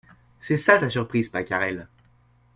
C’est ça ta surprise Pacarel .